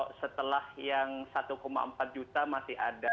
kalau setelah yang satu empat juta masih ada